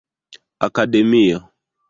akademio